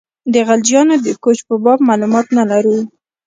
د خلجیانو د کوچ په باب معلومات نه لرو.